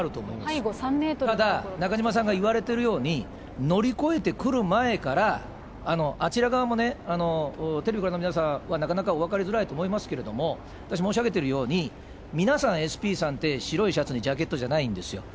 ただ、中島さんがいわれてるように、乗り越えてくる前から、あちら側もね、テレビをご覧の皆さんは、なかなか分かりづらいと思いますが、私、申し上げているように、皆さん、ＳＰさんって白いシャツにジャケットじゃないんですよ。